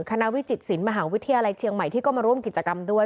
วิจิตศิลปมหาวิทยาลัยเชียงใหม่ที่ก็มาร่วมกิจกรรมด้วย